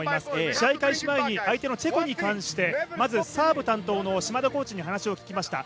試合開始前に相手のチェコに対してサーブ担当のコーチに話を聞きました。